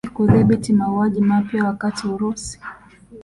ili kudhibiti mauaji mapya wakati urusi